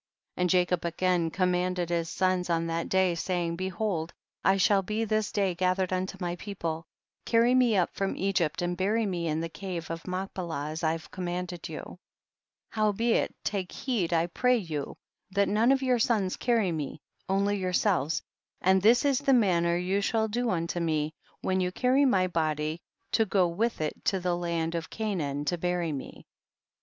* 10. And Jacob again commanded his sons on that day, saying, behold I shall be this day gathered unto my people ; carry me up from Egypt, and bury me in the cave of Mach pelah as I have commanded you. 11. Howbeit take heed I pray you that none of your sons carry me, on ly yourselves, and this is the manner you shall do unto me, when you carry my body to go with it to the land of Canaan to bury me.